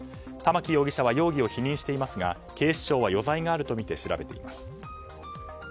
玉城容疑者は容疑を否認していますが警視庁は余罪があるとみて調べています。